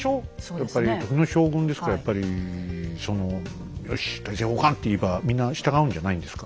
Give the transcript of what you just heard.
やっぱり時の将軍ですからやっぱり「よし大政奉還！」って言えばみんな従うんじゃないんですか？